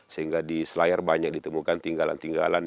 sehingga di selayar banyak ditemukan tinggalan tinggalan